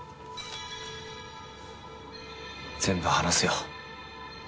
全部話すよ。